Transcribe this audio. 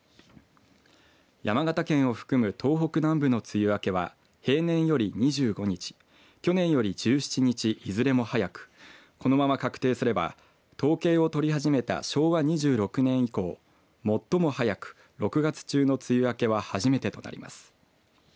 山形県を含む東北南部の梅雨明けは平年より２５日去年より１７日、いずれも早くこのまま確定すれば、統計を取り始めた昭和２６年以降最も早く、６月中の梅雨明けは初めてとなります。